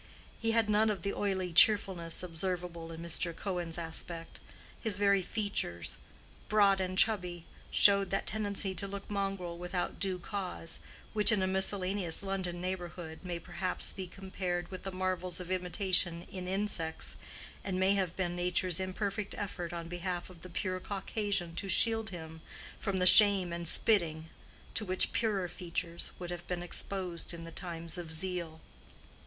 He had none of the oily cheerfulness observable in Mr. Cohen's aspect: his very features—broad and chubby—showed that tendency to look mongrel without due cause, which, in a miscellaneous London neighborhood, may perhaps be compared with the marvels of imitation in insects, and may have been nature's imperfect effort on behalf of the pure Caucasian to shield him from the shame and spitting to which purer features would have been exposed in the times of zeal.